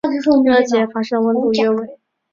热解发生的温度约为。